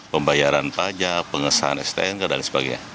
pembayaran pajak pengesahan stnk dan sebagainya